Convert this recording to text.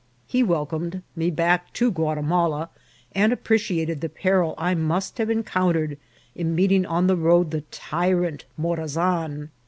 He welcomed me back to Guatimala, and appreciated the peril I must have en countered in meeting on the road the tyrant Morazan.